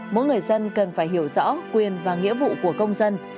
mỗi người dân cần phải hiểu rõ quyền và nghĩa vụ của công dân